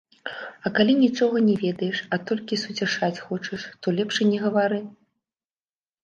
А калі нічога не ведаеш, а толькі суцяшаць хочаш, то лепш і не гавары.